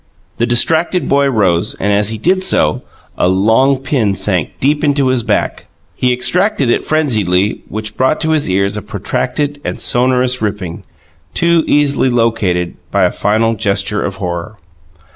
The distracted boy rose and, as he did so, a long pin sank deep into his back. He extracted it frenziedly, which brought to his ears a protracted and sonorous ripping, too easily located by a final gesture of horror.